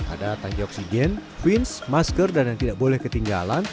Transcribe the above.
ada tangki oksigen fins masker dan yang tidak boleh ketinggalan